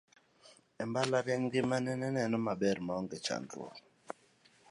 e mbalariany, ngimane ne neno maber maonge chandruok